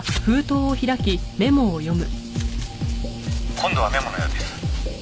「今度はメモのようです」